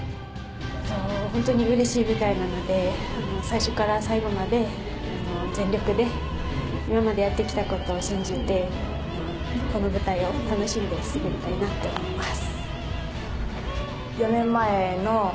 本当にうれしい舞台なので最初から最後まで全力で今までやってきたことを信じてこの舞台を楽しんで滑りたいと思います。